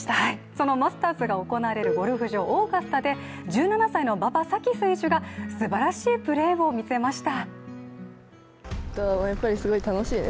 そのマスターズが行われるゴルフ場オーガスタで、１７歳の馬場咲希選手がすばらしいプレーを見せました。